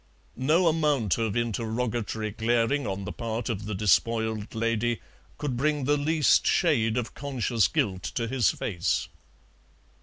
No amount of interrogatory glaring on the part of the despoiled lady could bring the least shade of conscious guilt to his face.